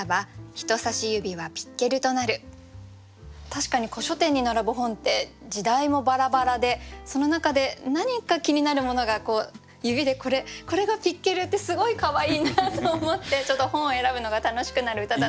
確かに古書店に並ぶ本って時代もバラバラでその中で何か気になるものがこう指でこれこれがピッケルってすごいかわいいなと思ってちょっと本を選ぶのが楽しくなる歌だなと。